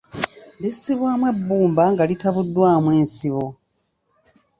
Lissibwamu ebbumba nga litabuddwamu ensibo .